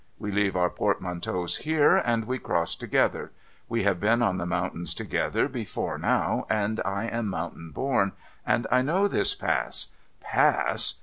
We leave our portmanteaus here, and we cross together. We have been on the mountains together before now, and I am mountain born, and I know this Pass — Pass